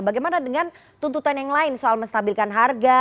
bagaimana dengan tuntutan yang lain soal menstabilkan harga